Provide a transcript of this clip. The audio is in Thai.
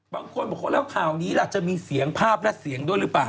บางคนบอกข่าวนี้แหละจะมีเสียงภาพและเสียงด้วยรึป่าว